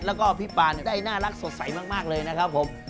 แล้วก็พี่ปานได้น่ารักสดใสมากเลยนะครับผม